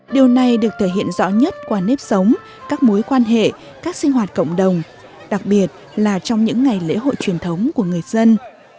điều này được thể hiện rõ nhất qua nếp sống các mối quan hệ các sinh hoạt cộng đồng đặc biệt là trong những ngày lễ hội truyền thống của người dân